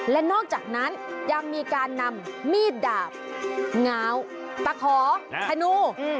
และนอกจากนั้นยังมีการนำมีดดาบง้าวตะขอธนู